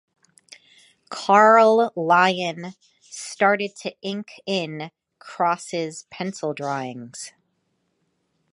Carl Lyon started to ink in Cross' pencil drawings.